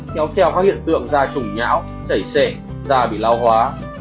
kéo theo các hiện tượng da trùng nhão chảy sệ da bị lao hóa